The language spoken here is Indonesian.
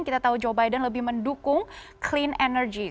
kita tahu joe biden lebih mendukung clean energy